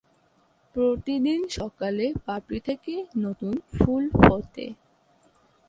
প্রতিদিন সকালে পাপড়ি থেকে নতুন ফুল ফোটে।